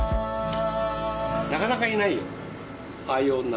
なかなかいないよああいう女は。